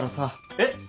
えっ！